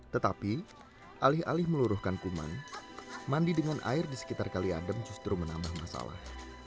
tetapi alih alih meluruhkan kuman mandi dengan air di sekitar kali adem justru menambah masalah